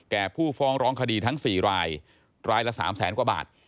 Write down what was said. ผู้ฟ้องร้องคดีทั้ง๔รายรายละ๓แสนกว่าบาท